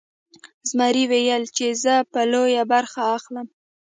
زمري ویل چې زه به لویه برخه اخلم.